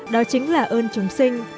đó chính là ơn chúng sinh